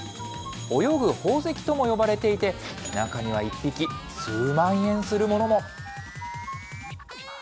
泳ぐ宝石とも呼ばれていて、中には１匹数万円するものも。